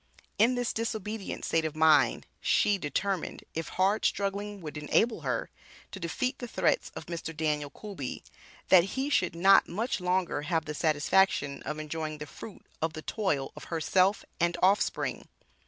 In this "disobedient" state of mind, she determined, if hard struggling would enable her, to defeat the threats of Mr. Daniel Coolby, that he should not much longer have the satisfaction of enjoying the fruit of the toil of herself and offspring.